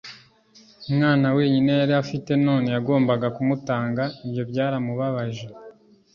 mwana wenyine yari afite none yagombaga kumutanga Ibyo byaramubabaje